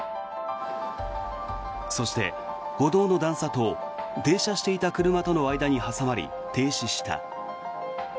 そして、歩道の段差と停車していた車との間に挟まり停止した。